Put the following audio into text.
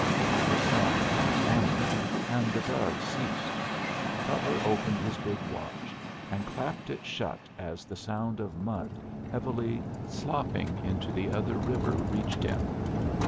The sun grew warmer, and the doves ceased. Cutler opened his big watch, and clapped it shut as the sound of mud heavily slopping into the other river reached him.